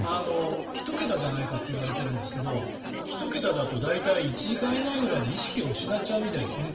１桁じゃないかと言われているんですが１桁だと大体１時間以内ぐらいで意識を失っちゃうみたいですね。